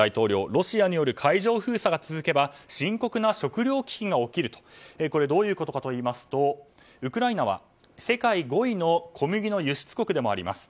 ロシアによる海上封鎖が続けば深刻な食糧危機が起きるとこれどういうことかといいますとウクライナは世界５位の小麦の輸出国でもあります。